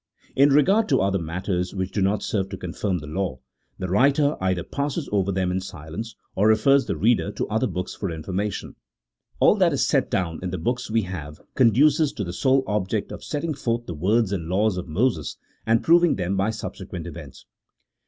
In re gard to other matters, which do not serve to confirm the law, the writer either passes over them in silence, or refers the reader to other books for information. All that is set down in the books we have conduces to the sole object of setting forth the words and laws of Moses, and proving them by subsequent events.